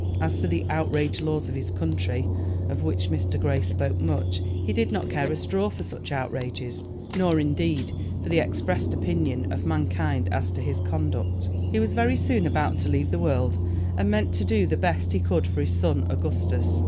As for the "outraged laws of his country," of which Mr. Grey spoke much, he did not care a straw for such outrages nor, indeed, for the expressed opinion of mankind as to his conduct. He was very soon about to leave the world, and meant to do the best he could for his son Augustus.